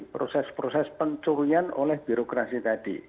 proses proses pencurian oleh birokrasi tadi